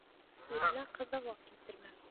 Йөҙөнә ҡыҙыллыҡ килтермәм.